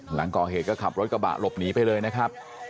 หลังก่อเหตุก็ขับรถกระบะหลบหนีไปเลยนะครับ